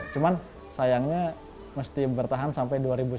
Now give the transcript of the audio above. cuman sayangnya mesti bertahan sampai dua ribu sembilan belas